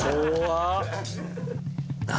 何？